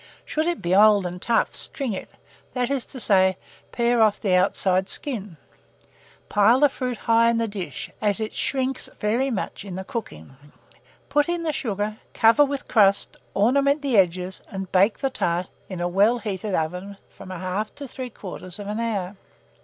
Should it be old and tough, string it, that is to say, pare off the outside skin. Pile the fruit high in the dish, as it shrinks very much in the cooking; put in the sugar, cover with crust, ornament the edges, and bake the tart in a well heated oven from 1/2 to 3/4 hour.